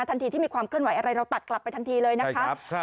ทันทีที่มีความเคลื่อนไหวอะไรเราตัดกลับไปทันทีเลยนะคะ